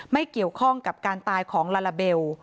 ไม่เกี่ยวข้องกับการตายของลาลาเบล